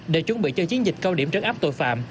để chuẩn bị cho chiến dịch cao điểm trấn áp tội phạm